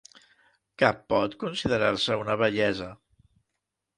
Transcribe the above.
Cap pot considerar-se una bellesa.